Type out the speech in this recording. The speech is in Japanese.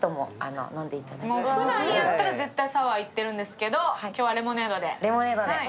ふだんやったら絶対サワーいってるんですけど私もレモネードで。